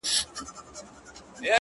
o موږه سپارلي دي د ښكلو ولېمو ته زړونه؛